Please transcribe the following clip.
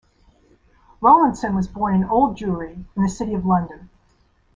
Rowlandson was born in Old Jewry, in the City of London.